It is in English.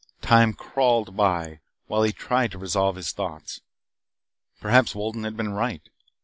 Time crawled by while he tried to resolve his thoughts. Perhaps Wolden had been right.